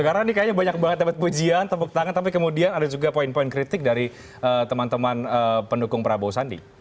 karena ini kayaknya banyak banget dapat pujian tepuk tangan tapi kemudian ada juga poin poin kritik dari teman teman pendukung prabowo sandi